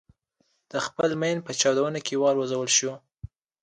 د خپل ماین په چاودنه کې والوزول شو.